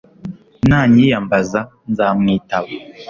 nanyiyambaza, nzamwitaba